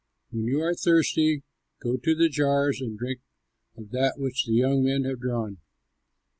When you are thirsty, go to the jars and drink of that which the young men have drawn."